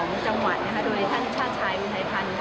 ลุงเอี่ยมปฏิเสธความช่วยเหลือหลายด้านเลยค่ะ